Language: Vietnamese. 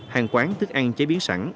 hàng quán thức ăn chế biến sẵn